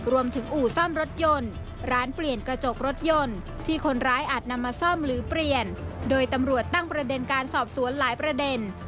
รวมถึงอู่ซ่อมรถยนต์ร้านเปลี่ยนกระจกรถยนต์